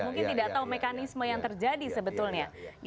mungkin tidak tahu mekanisme yang terjadi sebetulnya